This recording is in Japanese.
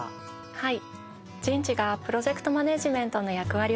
はい。